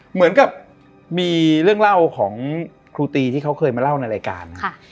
เหมือนกับมีเรื่องเล่าของครูตีที่เขาเคยมาเล่าในรายการ